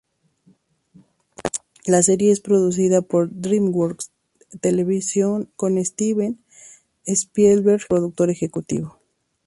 La serie es producida por DreamWorks Television con Steven Spielberg como productor ejecutivo.